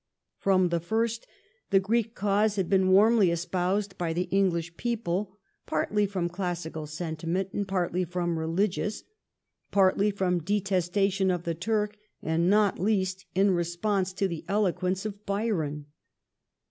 From the fiKt the Greek cause had been warmly espoused by the English people, partly from classical sentiment and partly from religious, partly from detestation of the Turk and" not least in response to the eloquence of Byron.